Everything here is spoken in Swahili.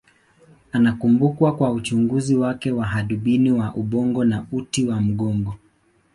Anakumbukwa kwa uchunguzi wake wa hadubini wa ubongo na uti wa mgongo.